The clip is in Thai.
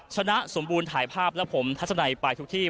ชนะสมบูรณ์ถ่ายภาพและผมทัศนัยไปทุกที่